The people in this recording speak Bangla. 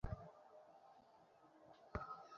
বললেন, হে মুয়ায়!